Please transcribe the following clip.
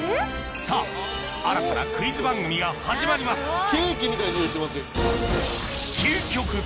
さぁ新たなクイズ番組が始まります